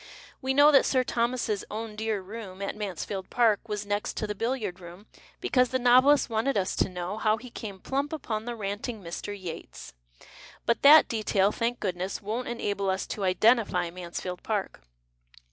We know that Sir Thomas's " own dear room " at Mansfield Park was next to the billiard room, because the novelist wanted us to know how he came plump upon the ranting Mr. Yates. But that detail, thank goodness, won't enable us to " identify " Mansfield Park.